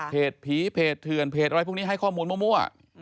ผีเพจเถื่อนเพจอะไรพวกนี้ให้ข้อมูลมั่ว